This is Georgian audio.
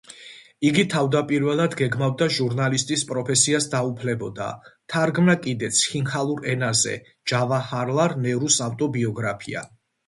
იგი თავდაპირველად გეგმავდა ჟურნალისტის პროფესიას დაუფლებოდა, თარგმნა კიდეც სინჰალურ ენაზე ჯავაჰარლალ ნერუს ავტობიოგრაფია.